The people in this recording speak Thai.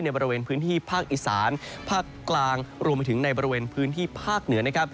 บริเวณพื้นที่ภาคอีสานภาคกลางรวมไปถึงในบริเวณพื้นที่ภาคเหนือนะครับ